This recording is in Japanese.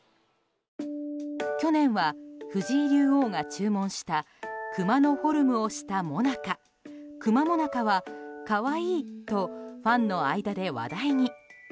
去年は、藤井竜王が注文したクマのフォルムをした最中くま最中は可愛いとファンの間で話題に。